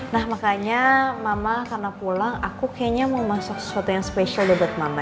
nah makanya mama karena pulang aku kayaknya mau masak sesuatu yang spesial buat mama